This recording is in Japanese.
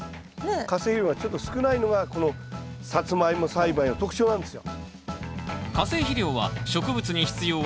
化成肥料がちょっと少ないのがこのサツマイモ栽培の特徴なんですよ。